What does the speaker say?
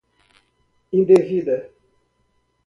indevida